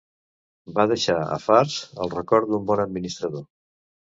Va deixar a Fars el record d'un bon administrador.